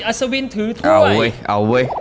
อัศวินถือถ้วย